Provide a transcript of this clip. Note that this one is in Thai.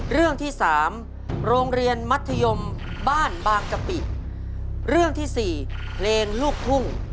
เรื่องที่สามโรงเรียนมัธยมบ้านบางกะปิเรื่องที่สี่เพลงลูกทุ่ง